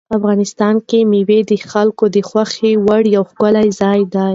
افغانستان کې مېوې د خلکو د خوښې وړ یو ښکلی ځای دی.